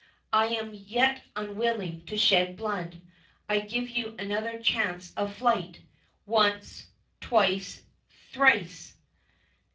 I am yet unwilling to shed blood—I give you another chance of flight—once—twice—THRICE!"